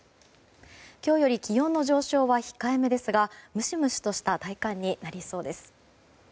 今日より気温の上昇は控えめですがムシムシとした体感になりそうです。